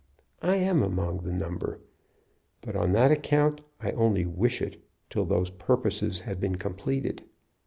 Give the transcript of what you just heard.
I am among the number. But, on that account, I only wish it till those purposes have been completed.